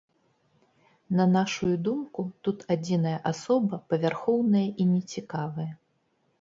На нашую думку, тут адзіная асоба, павярхоўная і нецікавая.